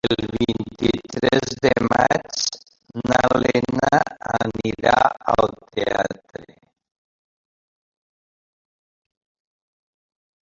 El vint-i-tres de maig na Lena anirà al teatre.